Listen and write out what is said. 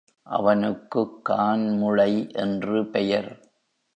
அவனுக்குக் கான்முளை என்றும் பெயர்.